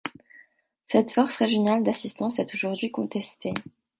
Cette force régionale d’assistance est aujourd’hui contestée.